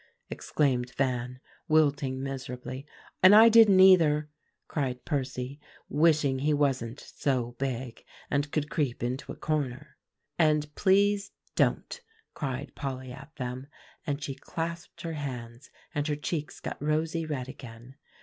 exclaimed Van, wilting miserably. "And I didn't either," cried Percy, wishing he wasn't so big, and could creep into a corner. "And please don't," cried Polly at them; and she clasped her hands, and her cheeks got rosy red again.